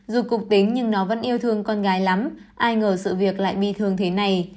dù cục tính nhưng nó vẫn yêu thương con gái lắm ai ngờ sự việc lại bi thương thế này